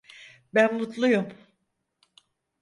Ben mutluyum.